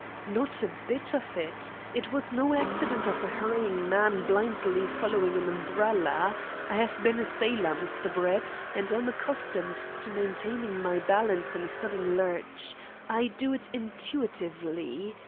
"Not a bit of it. It was no accident of a hurrying man blindly following an umbrella. I have been a sailor, Mr. Brett, and am accustomed to maintaining my balance in a sudden lurch. I do it intuitively.